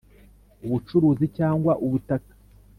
ubucururi cyangwa ubutaka